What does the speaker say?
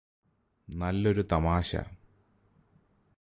നല്ലൊരു തമാശ